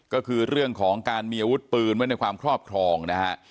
ก็คือเรื่องของการมีอาวุธปืนไว้ในความครอบครองนะฮะ